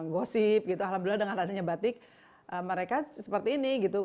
gosip gitu alhamdulillah dengan adanya batik mereka seperti ini gitu